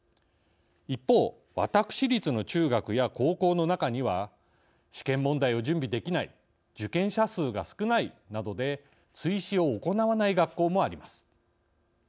一方私立の中学や高校の中には試験問題を準備できない受験者数が少ないなどで追試を行わない学校もあります。